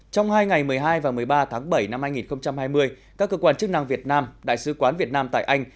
trong hai ngày một mươi hai và một mươi ba tháng bảy năm hai nghìn hai mươi các cơ quan chức năng việt nam đại sứ quán việt nam tại anh